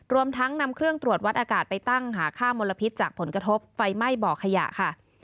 รวมทั้งนำเครื่องตรวจวัดอากาศไปตั้งหาค่ามลพิษจากผลกระทบไฟไหม้บ่อขยะค่ะ